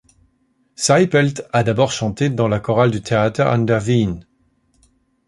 Seipelt a d'abord chanté dans la chorale du Theater an der Wien.